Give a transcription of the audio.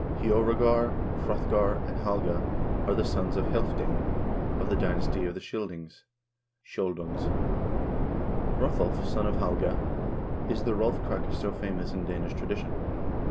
Heorogar, Hrothgar, and Halga are the sons of Healfdene, of the dynasty of the Scyldings (Skjoldungs). Hrothulf, son of Halga, is the Rolf Krake so famous in Danish tradition.